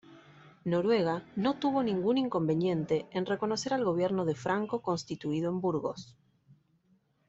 Noruega no tuvo ningún inconveniente en reconocer al gobierno de Franco constituido en Burgos.